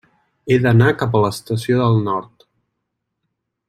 He d'anar cap a l'Estació del Nord.